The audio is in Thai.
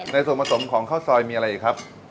ในส่วนผสมของข้าวซอยมีอะไรอีกครับ